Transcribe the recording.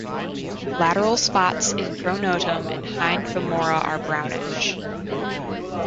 Lateral spots in pronotum and hind femora are brownish.